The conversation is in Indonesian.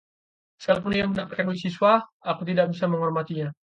Sekalipun ia mendapatkan beasiswa, aku tidak bisa menghormatinya.